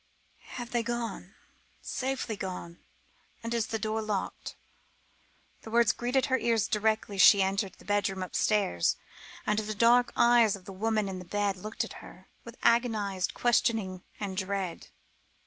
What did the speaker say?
"Have they gone safely gone? And is the door locked?" The words greeted her ears directly she entered the bedroom upstairs, and the dark eyes of the woman in the bed looked at her, with agonised questioning and dread.